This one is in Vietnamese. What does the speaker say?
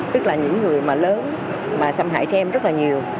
tức là những người mà lớn mà xâm hại trẻ em rất là nhiều